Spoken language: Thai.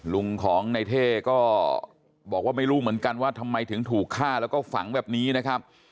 ลุงของในเท่ก็บอกว่าไม่รู้เหมือนกันว่าทำไมถึงถูกฆ่าแล้วก็ฝังแบบนี้นะครับ